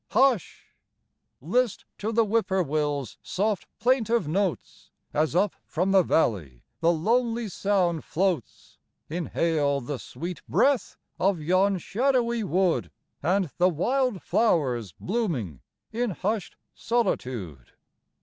Hush! list to the Whip poor will's soft plaintive notes, As up from the valley the lonely sound floats, Inhale the sweet breath of yon shadowy wood And the wild flowers blooming in hushed solitude.